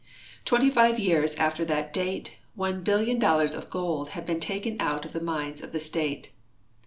Twenty five years after that date $1,000,000,000 of gold had been taken out of the mines of the state.